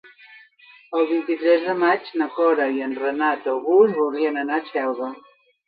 El vint-i-tres de maig na Cora i en Renat August voldrien anar a Xelva.